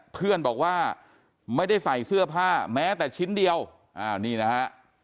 เพื่อนบอกว่าไม่ได้ใส่เสื้อผ้าแม้แต่ชิ้นเดียวอ้าวนี่นะฮะ